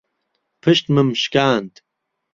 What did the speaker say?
پشتمم شکاند.